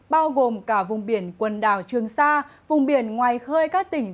bao gồm cả vùng biển quần đảo trường sa vùng biển ngoài khơi các tỉnh